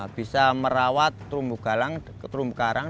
bisa merawat terumbu galang terumbu karang